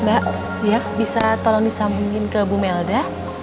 mbak bisa tolong disambungin ke bu melda